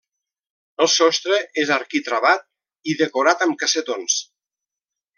El sostre és arquitravat i decorat amb cassetons.